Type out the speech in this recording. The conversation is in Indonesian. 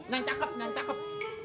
yang cakep yang cakep